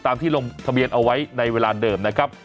ที่ลงทะเบียนเอาไว้ในเวลาเดิมนะครับ